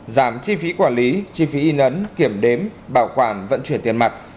giảm chi phí quản lý chi phí in ấn kiểm đếm bảo quản vận chuyển tiền mặt